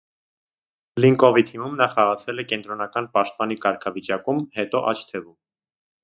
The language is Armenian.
Բլինկովի թիմում նա խաղացել է կենտրոնական պաշտպանի կարգավիճակում, հետո աջ թևում։